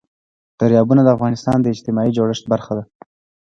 دریابونه د افغانستان د اجتماعي جوړښت برخه ده.